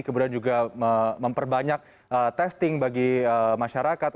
kemudian juga memperbanyak testing bagi masyarakat